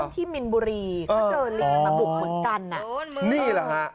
ที่มินบุรีเขาเจอลิงมาบุกเหมือนกันอ่ะนี่แหละฮะ